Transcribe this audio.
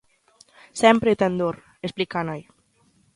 "Sempre ten dor", explica a nai.